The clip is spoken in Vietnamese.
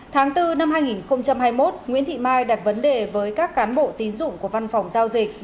tháng bốn năm hai nghìn hai mươi một nguyễn thị mai đặt vấn đề với các cán bộ tín dụng của văn phòng giao dịch